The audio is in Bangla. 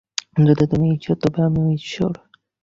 যদি তুমি ঈশ্বর, তবে আমিও ঈশ্বর।